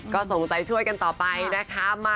ก็ส่งใจช่วยกันต่อไปนะคะ